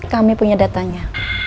kami punya datanya